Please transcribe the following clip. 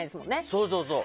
そうそうそう。